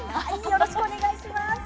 よろしくお願いします。